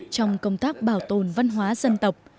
trong công tác bảo tồn văn hóa dân tộc